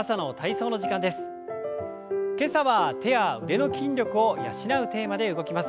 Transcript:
今朝は手や腕の筋力を養うテーマで動きます。